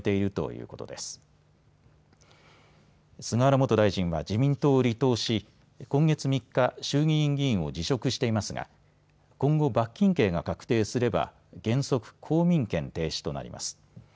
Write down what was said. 元大臣は自民党を離党し、今月３日、衆議院議員を辞職していますが今後、罰金刑が確定すれば原則公民権停止となります。